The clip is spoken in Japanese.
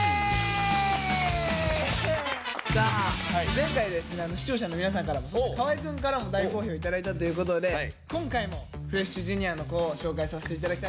前回視聴者の皆さんからもそして河合くんからも大好評頂いたということで今回もフレッシュＪｒ．の子を紹介させて頂きたいと思います。